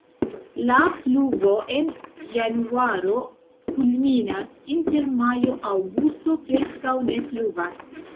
La pluvo en januaro kulminas, inter majo-aŭgusto preskaŭ ne pluvas.